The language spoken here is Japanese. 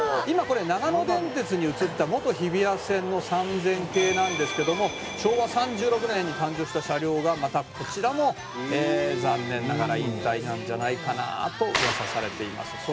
「今これ長野電鉄に移った元日比谷線の３０００系なんですけども昭和３６年に誕生した車両がまたこちらも残念ながら引退なんじゃないかなと噂されています」